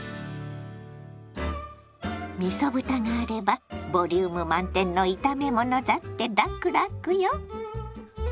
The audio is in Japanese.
みそ豚があればボリューム満点の炒め物だってラクラクよ。